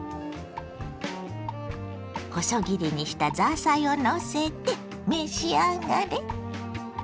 細切りにしたザーサイをのせて召し上がれ。